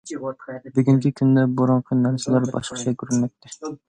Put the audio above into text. بۈگۈنكى كۈندە، بۇرۇنقى نەرسىلەر باشقىچە كۆرۈنمەكتە.